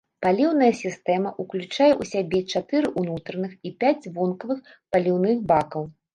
Паліўная сістэма ўключае ў сябе чатыры ўнутраных і пяць вонкавых паліўных бакаў.